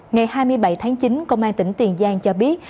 ngày hai mươi bảy tháng chín công an tỉnh tiền giang cho biết